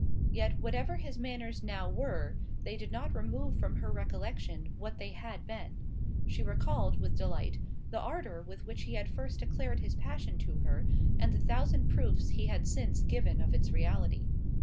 Yet, whatever his manners now were, they did not remove from her recollection what they had been—she recalled, with delight, the ardour with which he had first declared his passion to her, and the thousand proofs he had since given of its reality.